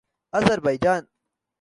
Azerbaijan